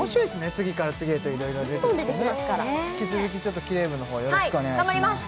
次から次へといろいろ出てきてねどんどん出てきますから引き続きキレイ部のほうよろしくお願いします